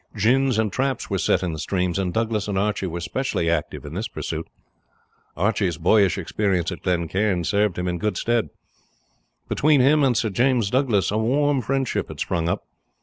Gins and traps were set in the streams, and Douglas and Archie were specially active in this pursuit; Archie's boyish experience at Glen Cairn serving him in good stead. Between him and Sir James Douglas a warm friendship had sprung up.